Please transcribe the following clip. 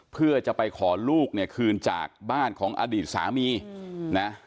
เพื่อจะไปขอลูกเนี่ยคืนจากบ้านของอดีตสามีนะ